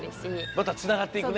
またつながっていくね。